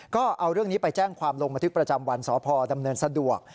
ก็เอาเรื่องนี้ไปแจ้งความลงบันทึกประจำวันสพดำเนินสะดวก